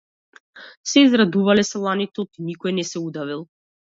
Се израдувале селаните оти никој не се удавил.